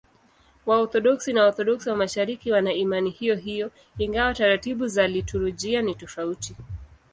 Waorthodoksi na Waorthodoksi wa Mashariki wana imani hiyohiyo, ingawa taratibu za liturujia ni tofauti.